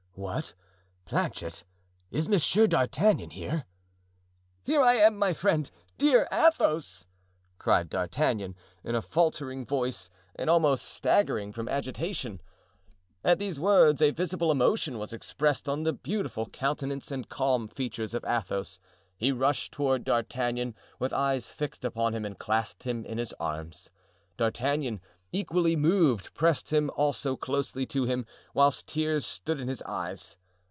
"What, Planchet, is Monsieur d'Artagnan here?" "Here I am, my friend, dear Athos!" cried D'Artagnan, in a faltering voice and almost staggering from agitation. At these words a visible emotion was expressed on the beautiful countenance and calm features of Athos. He rushed toward D'Artagnan with eyes fixed upon him and clasped him in his arms. D'Artagnan, equally moved, pressed him also closely to him, whilst tears stood in his eyes.